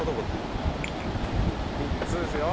３つですよ。